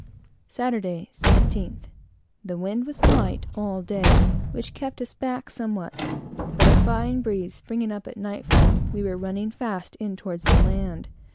Saturday, 17th. The wind was light all day, which kept us back somewhat; but a fine breeze springing up at nightfall, we were running fast in toward the land.